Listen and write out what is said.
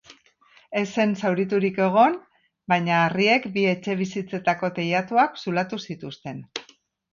Ez zen zauriturik egon, baina harriek bi etxebizitzetako teilatuak zulatu zituzten.